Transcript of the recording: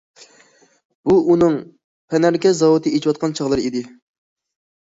بۇ ئۇنىڭ پەنەركە زاۋۇتى ئېچىۋاتقان چاغلىرى ئىدى.